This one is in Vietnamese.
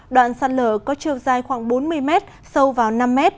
đoạn sạt lở có chiều dài khoảng bốn mươi m sâu vào năm m